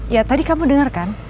ya tadi kamu denger kan